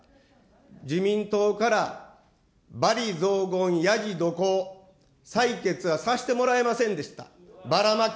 自民党から罵詈雑言、やじ怒号、採決はさせてもらえませんでした。